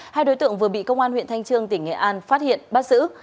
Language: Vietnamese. hai đối tượng vừa bị công an huyện thanh trương tỉnh nghệ an phát hiện bắt giữ